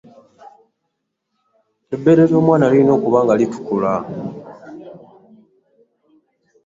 Ebbeere ly'omwana lirina okuba nga litukula.